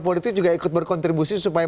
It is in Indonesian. politik juga ikut berkontribusi supaya